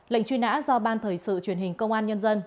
lệnh chuyên ả do ban thời sự truyền hình công an nhân dân